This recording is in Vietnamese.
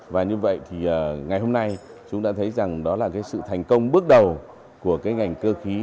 và như vậy thì ngày hôm nay chúng ta thấy rằng đó là cái sự thành công bước đầu của cái ngành cơ khí